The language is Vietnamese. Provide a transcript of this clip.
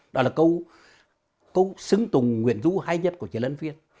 đó là câu xứng tùng nguyện rũ hay nhất của chế lân viên